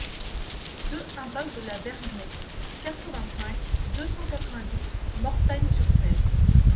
deux impasse de la Vergnaie, quatre-vingt-cinq, deux cent quatre-vingt-dix, Mortagne-sur-Sèvre